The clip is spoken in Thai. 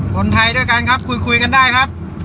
คนไทยด้วยกันครับคุยกันได้ครับ